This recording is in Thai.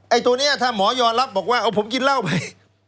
ตัวนี้ถ้าหมอยอมรับบอกว่าเอาผมกินเหล้าไป